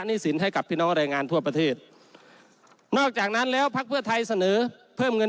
สินให้กับพี่น้องแรงงานทั่วประเทศนอกจากนั้นแล้วพักเพื่อไทยเสนอเพิ่มเงิน